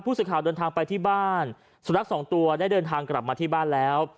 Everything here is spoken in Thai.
สื่อข่าวเดินทางไปที่บ้านสุนัขสองตัวได้เดินทางกลับมาที่บ้านแล้ว